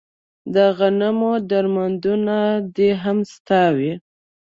د غنمو درمندونه دې هم ستا وي